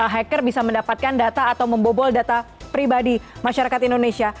hacker bisa mendapatkan data atau membobol data pribadi masyarakat indonesia